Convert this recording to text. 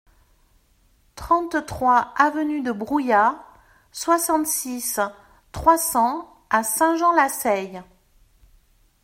trente-trois avenue de Brouilla, soixante-six, trois cents à Saint-Jean-Lasseille